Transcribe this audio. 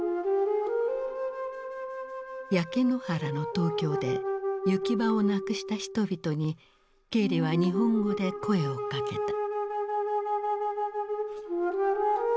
焼け野原の東京で行き場をなくした人々にケーリは日本語で声をかけた。